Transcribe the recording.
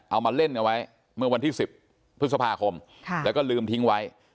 เอามาเล่นเอาไว้เมื่อวันที่๑๐พฤษภาคมแล้วก็ลืมทิ้งไว้